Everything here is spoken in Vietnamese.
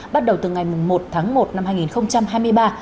bắt đầu từ ngày một tháng một năm hai nghìn hai mươi ba